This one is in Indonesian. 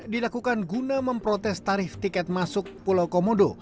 dilakukan guna memprotes tarif tiket masuk pulau komodo